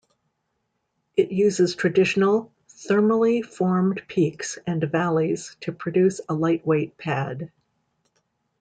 It uses traditional thermally-formed peaks and valleys to produce a lightweight pad.